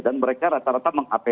dan mereka rata rata mengapel